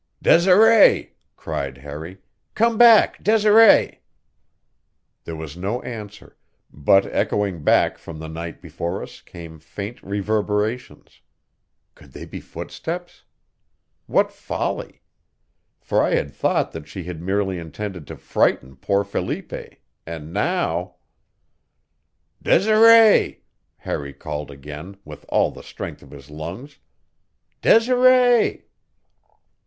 "Desiree!" cried Harry. "Come back, Desiree!" There was no answer, but echoing back from the night before us came faint reverberations could they be footsteps! What folly! For I had thought that she had merely intended to frighten poor Felipe, and now "Desiree!" Harry called again with all the strength of his lungs. "Desiree!"